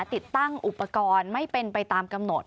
ติดตั้งอุปกรณ์ไม่เป็นไปตามกำหนด